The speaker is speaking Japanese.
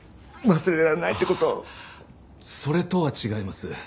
それとは違います。